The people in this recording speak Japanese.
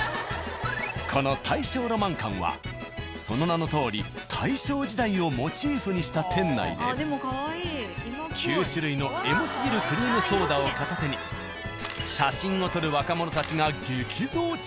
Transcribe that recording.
この「大正ロマン館」はその名のとおり大正時代をモチーフにした店内で９種類のエモすぎるクリームソーダを片手に写真を撮る若者たちが激増中。